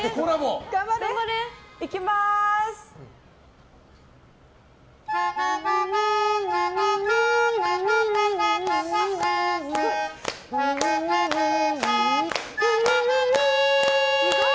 すごい！